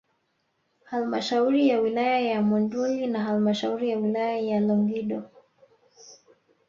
Halmashauri ya wilaya ya Monduli na halmashauri ya wilaya ya Longido